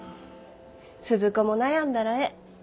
鈴子も悩んだらええ。